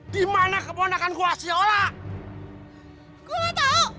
gimana keponakan gua sya allah